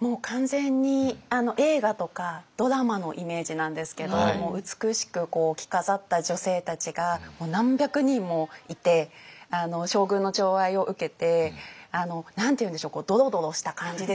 もう完全に映画とかドラマのイメージなんですけど美しく着飾った女性たちが何百人もいて将軍のちょう愛を受けて何て言うんでしょうドロドロした感じですよね。